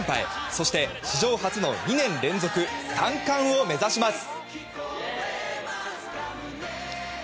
そして、史上初の２年連続３冠を目指します。